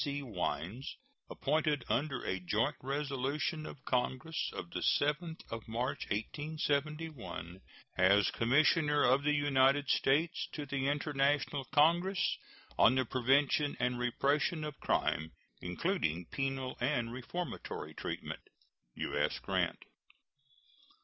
C. Wines, appointed under a joint resolution of Congress of the 7th of March, 1871, as commissioner of the United States to the international congress on the prevention and repression of crime, including penal and reformatory treatment. U.S. GRANT.